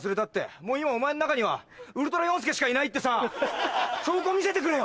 もう今お前の中にはウルトラ４助しかいないってさ証拠見せてくれよ！